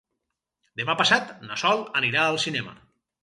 Demà passat na Sol anirà al cinema.